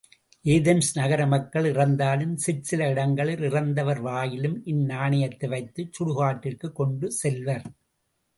Athens நகர மக்கள் இறந்தாலும் சிற்சில இடங்களில் இறந்தவர் வாயிலும் இந்நாணயத்தை வைத்துச் சுடுகாட்டிற்குக் கொண்டு செல்வர்.